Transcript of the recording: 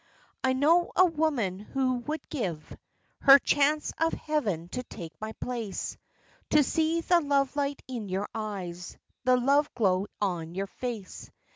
I know a woman who would give Her chance of heaven to take my place; To see the love light in your eyes, The love glow on your face!